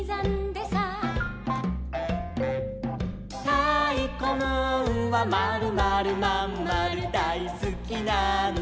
「たいこムーンはまるまるまんまるだいすきなんだ」